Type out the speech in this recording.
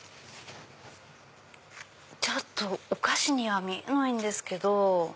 ちょっとお菓子には見えないんですけど。